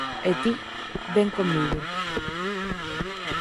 E ti, ven comigo.